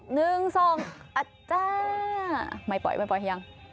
หนึ่งสองอ่ะจ้าไม่ปล่อยไม่ปล่อยยัง